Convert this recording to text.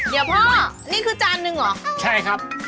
เดี๋ยวพ่อนี่คือจานนึงเหรอใช่ครับ